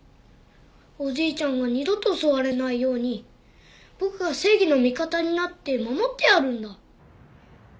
おじいちゃんが二度と襲われないように僕が正義の味方になって守ってやるんだ。